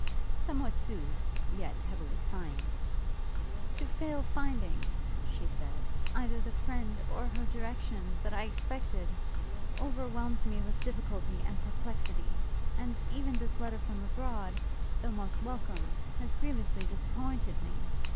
Somewhat soothed, yet heavily sighing, 'To fail finding,' she said, 'either the friend, or her direction, that I expected, overwhelms me with difficulty and perplexity. And even this letter from abroad, though most welcome, has grievously disappointed me!